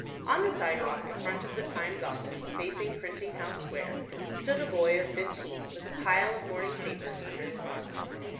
On the sidewalk in front of the "Times" office, facing Printing House Square, stood a boy of fifteen, with a pile of morning papers under his arm.